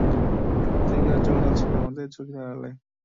সত্যিকার জগৎ আছে আমাদের চোখের আড়ালে!